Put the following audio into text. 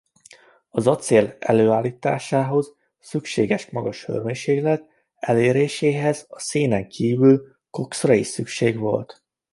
Az acél előállításához szükséges magas hőmérséklet eléréséhez a szénen kívül kokszra is szükség volt.